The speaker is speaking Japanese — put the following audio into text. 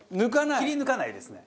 切り抜かないですね。